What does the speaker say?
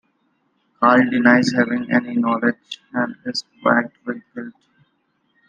Carl denies having any knowledge and is wracked with guilt.